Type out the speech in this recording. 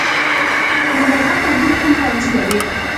ننګرهار پوهنتون کوم پوهنځي لري؟